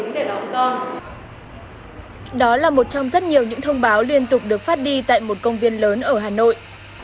đó là một trong rất nhiều những thông báo liên tục được phát đi tại một công viên lớn ở hà nội